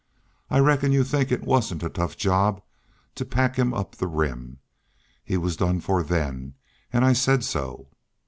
I reckon y'u think it wasn't a tough job to pack him up the Rim. He was done for then an' I said so."